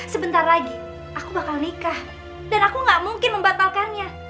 sebentar lagi aku bakal nikah dan aku gak mungkin membatalkannya